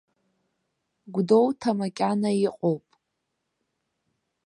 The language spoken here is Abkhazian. Гәдоуҭа макьана иҟоуп!